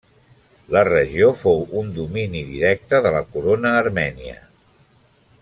La regió fou un domini directe de la corona armènia.